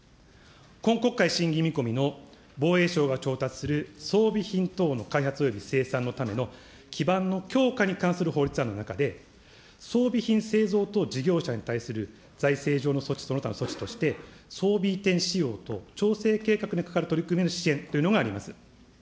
今国会審議見込みの防衛省が調達する装備品等の開発および生産のための基盤の強化に関する法律案の中で、装備品製造等事業者に対する財政状況の措置、その他の措置として、装備移転使用と調整計画にかかる取り組みへの支援というのがあります。